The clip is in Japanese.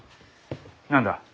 何だ？